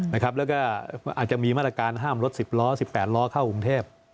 แล้วก็อาจจะมีมาตรการห้ามรถ๑๐ล้อ๑๘ล้อเข้ากรุงเทพ